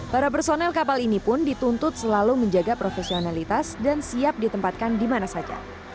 para personel kapal ini pun dituntut selalu menjaga profesionalitas dan siap ditempatkan di mana saja